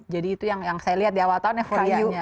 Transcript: jadi itu yang saya lihat di awal tahunnya euforianya